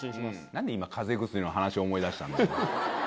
なんで今風邪薬の話思い出したんだよ。